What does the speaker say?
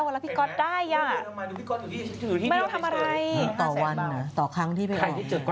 แล้วพี่ก็อตได้อ่ะไม่เอาทำอะไรต่อวันน่ะต่อครั้งที่ไปออก